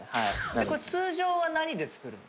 これ通常は何で作るんですか？